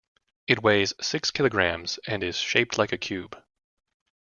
It weighs six kilograms and is shaped like a cube.